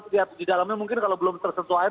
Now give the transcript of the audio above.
lihat di dalamnya mungkin kalau belum tersentuh air